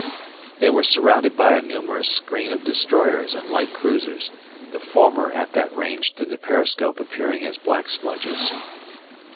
They were surrounded by a numerous screen of destroyers and light cruisers, the former at that range through the periscope appearing as black smudges.